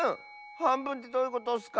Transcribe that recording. はんぶんってどういうことッスか？